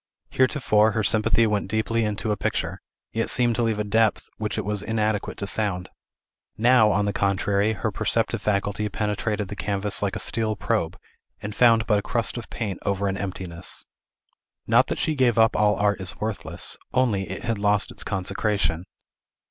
Heretofore, her sympathy went deeply into a picture, yet seemed to leave a depth which it was inadequate to sound; now, on the contrary, her perceptive faculty penetrated the canvas like a steel probe, and found but a crust of paint over an emptiness. Not that she gave up all art as worthless; only it had lost its consecration.